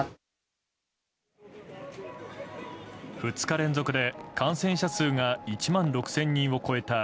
２日連続で感染者数が１万６０００人を超えた